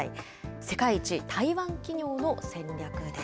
世界一、台湾企業の戦略です。